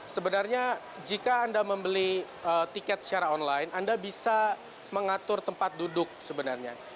sebenarnya jika anda membeli tiket secara online anda bisa mengatur tempat duduk sebenarnya